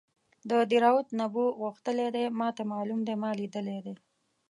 د دیراوت نبو غښتلی دی ماته معلوم دی ما لیدلی دی.